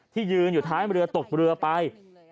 ยืนอยู่ท้ายเรือตกเรือไป